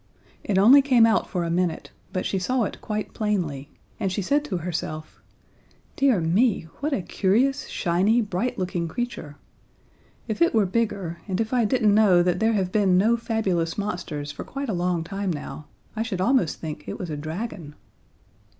It only came out for a minute, but she saw it quite plainly, and she said to herself: "Dear me, what a curious, shiny, bright looking creature! If it were bigger, and if I didn't know that there have been no fabulous monsters for quite a long time now, I should almost think it was a dragon."